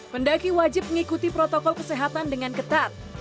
pendaki wajib mengikuti protokol kesehatan dengan ketat